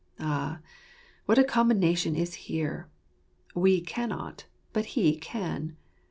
Ah, what a combination is here! We cannot; but He can!